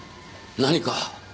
何か？